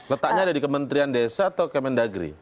letaknya ada di kementerian desa atau kementerian negeri